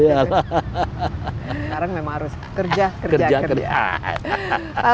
sekarang memang harus kerja kerja kerja